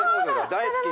大好き。